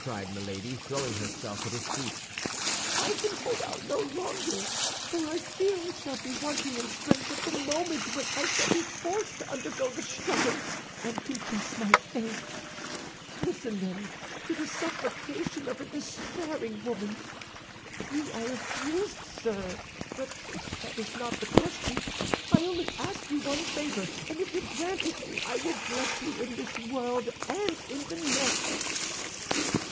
cried Milady, throwing herself at his feet. "I can hold out no longer, for I fear I shall be wanting in strength at the moment when I shall be forced to undergo the struggle, and confess my faith. Listen, then, to the supplication of a despairing woman. You are abused, sir; but that is not the question. I only ask you one favor; and if you grant it me, I will bless you in this world and in the next."